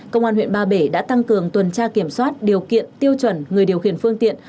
công an huyện ba bể đã tăng cường tuần tra kiểm soát điều kiện tiêu chuẩn người điều khiển phương tiện